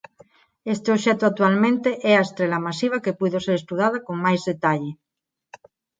Este obxecto actualmente é a estrela masiva que puido ser estudada con máis detalle.